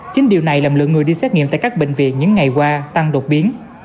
chính điều này làm lượng người đi xét nghiệm tại các bệnh viện những ngày qua tăng đột biến